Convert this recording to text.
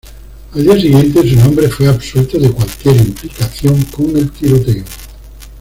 Al día siguiente, su nombre fue absuelto de cualquier implicación con el tiroteo.